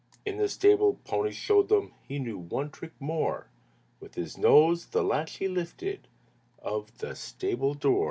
In the stable pony showed them He knew one trick more. With his nose the latch he lifted Of the stable door.